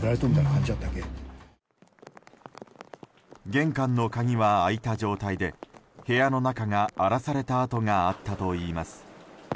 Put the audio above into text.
玄関の鍵は開いた状態で部屋の中が荒らされた跡があったといいます。